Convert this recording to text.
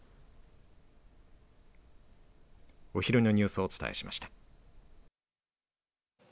お昼のニュースをお伝えしました。